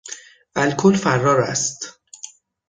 الکل فرار است.